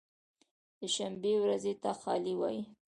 د شنبې ورځې ته خالي وایی